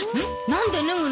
何で脱ぐのよ。